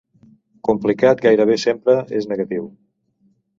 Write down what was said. Complicat gairebé sempre és negatiu.